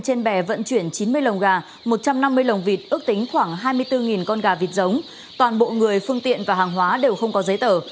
phương tiện trên bè vận chuyển chín mươi lông gà một trăm năm mươi lông vịt ước tính khoảng hai mươi bốn con gà vịt giống toàn bộ người phương tiện và hàng hóa đều không có giấy tờ